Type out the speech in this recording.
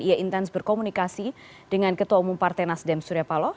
ia intens berkomunikasi dengan ketua umum partai nasdem surya paloh